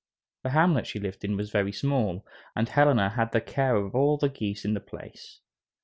The hamlet she lived in was very small, and Helena had the care of all the geese in the place.